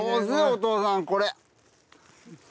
お父さんこれ。